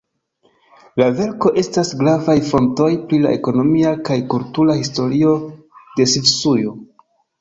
La verkoj estas gravaj fontoj pri la ekonomia kaj kultura historio de Svisujo.